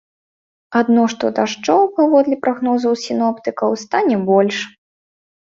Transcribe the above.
Адно што дажджоў, паводле прагнозаў сіноптыкаў, стане больш.